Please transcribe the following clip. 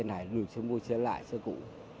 xe này được mua xe lại xe cũ